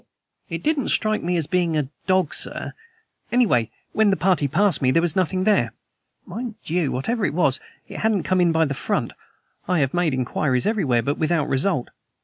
"It didn't strike me as being a dog, sir. Anyway, when the party passed me, there was nothing there. Mind you, whatever it was, it hadn't come in by the front. I have made inquiries everywhere, but without result."